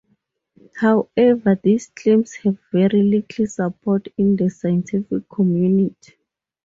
However, these claims have very little support in the scientific community.